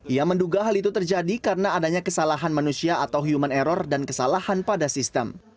ia menduga hal itu terjadi karena adanya kesalahan manusia atau human error dan kesalahan pada sistem